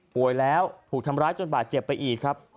แล้วถูกทำร้ายจนบาดเจ็บไปอีกครับ